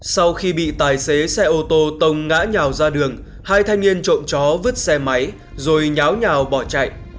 sau khi bị tài xế xe ô tô tông ngã nhào ra đường hai thanh niên trộm chó vứt xe máy rồi nháo nhào bỏ chạy